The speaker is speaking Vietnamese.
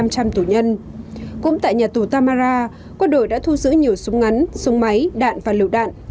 cũng tại nhà tù tamara quân đội đã thu giữ nhiều súng ngắn súng máy đạn và lựu đạn